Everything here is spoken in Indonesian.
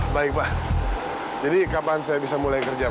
baik pak jadi kapan saya bisa mulai kerja